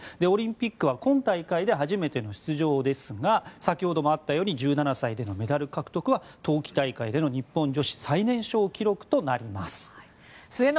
オリンピックは今大会初出場ですが先ほどもあったように１７歳でのメダル獲得は冬季大会での日本女子最年少記録となります。